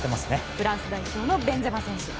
フランス代表のベンゼマ選手。